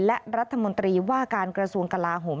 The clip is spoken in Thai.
และรัฐมนตรีว่าการกระทรวงกลาโหม